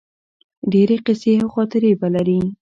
ډیرې قیصې او خاطرې به لرې